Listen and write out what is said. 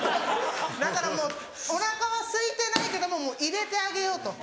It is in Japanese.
だからお腹はすいてないけどももう入れてあげようと。